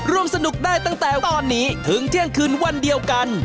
ร่วมสนุกได้ตั้งแต่ตอนนี้ถึงเที่ยงคืนวันเดียวกัน